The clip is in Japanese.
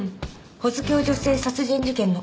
保津峡女性殺人事件の。